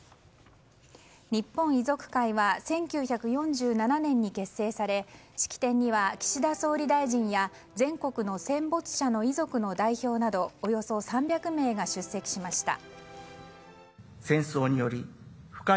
日本遺族会は１９４７年に結成され式典には岸田総理大臣や全国の戦没者の遺族の代表などおよそ３００名が出席しました。